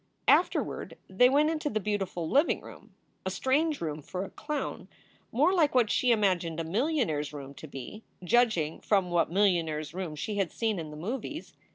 Afterward they went into the beautiful living room, a strange room for a clown; more like what she imagined a millionaire s room to be, judging from what millionaires rooms she had seen in the movies.